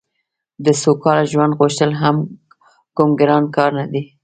د سوکاله ژوند غوښتل هم کوم ګران کار نه دی